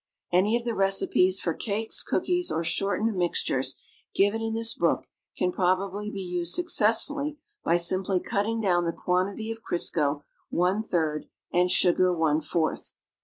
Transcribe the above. Any of the recipes for cakes, cookies, or shortened mixtures, given in this book can probably be used successfully by simply cutting down the quantity of Crisco one third and sugar one fourth.